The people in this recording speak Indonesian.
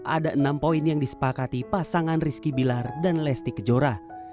ada enam poin yang disepakati pasangan rizky bilar dan lesti kejora